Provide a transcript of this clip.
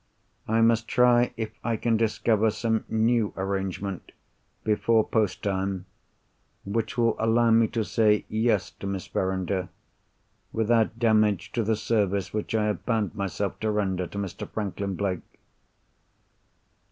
I must try if I can discover some new arrangement, before post time, which will allow me to say Yes to Miss Verinder, without damage to the service which I have bound myself to render to Mr. Franklin Blake.